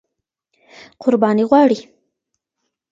قرباني غواړي.